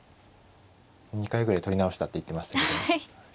２回ぐらい撮り直したって言ってましたけど。